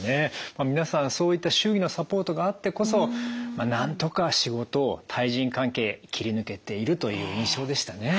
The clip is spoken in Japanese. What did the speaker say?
皆さんそういった周囲のサポートがあってこそなんとか仕事対人関係切り抜けているという印象でしたね。